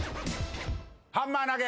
ハンマー投げ。